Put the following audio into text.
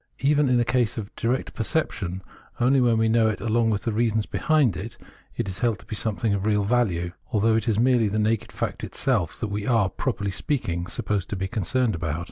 Even in a case of direct perception, only when we know it along with the reasons behind it, is it held to be something of real value ; although it is merely the naked fact itself that we are, properly speaking, supposed to be concerned about.